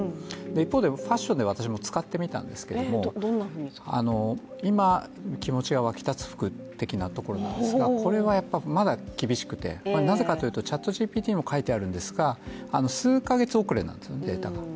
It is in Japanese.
一方で、ファッションで私も使ってみたんですけど今、気持ちが沸き立つ服的なところでなんですがこれはまだ厳しくて、なぜかというと、ＣｈａｔＧＰＴにも書いてあるんですが、数か月遅れなんです、データが。